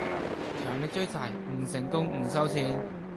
強力追債，唔成功唔收錢!